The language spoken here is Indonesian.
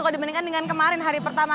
kau demikian dengan kemarin hari pertama